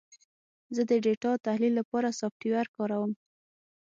زه د ډیټا تحلیل لپاره سافټویر کاروم.